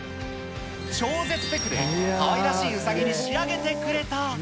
超絶テクでかわいらしいうさぎに仕上げてくれた。